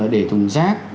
để thùng rác